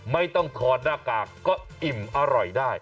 ไม่ต้องถอดหน้ากากก็อิ่มอร่อยได้